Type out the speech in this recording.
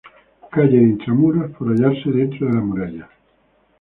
Calle de intramuros por hallarse dentro de la muralla.